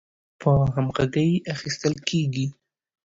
په همغږۍ اخیستل کیږي